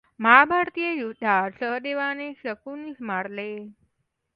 महाभारतीय युद्धात सहदेवाने शकुनीस मारले.